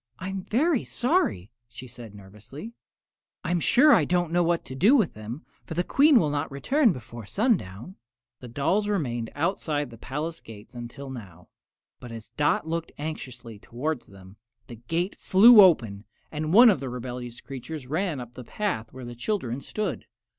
"I'm very sorry," she said, nervously. "I'm sure I don't know what to do with them, for the Queen will not return before sundown." The dolls had remained outside the palace gates until now; but as Dot looked anxiously toward them, the gate flew open and one of the rebellious creatures ran up the path to where the children stood.